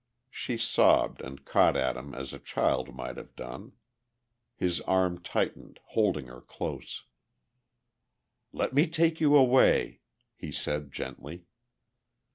She sobbed and caught at him as a child might have done. His arm tightened, holding her closer. "Let me take you away," he said gently.